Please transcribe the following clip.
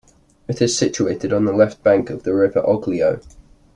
It is situated on the left bank of the river Oglio.